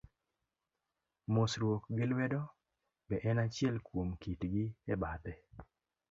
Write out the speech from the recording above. Mosruok gi lwedo be en achiel kuom kitgi e bathe.